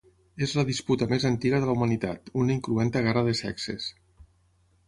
És la disputa més antiga de la humanitat, una incruenta guerra de sexes.